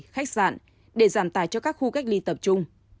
khách sạn để giảm tài cho các khu cách ly tập trung